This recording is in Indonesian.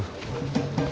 sampai jumpa lagi